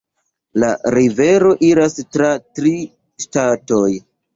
La rivero iras tra tri ŝtatoj.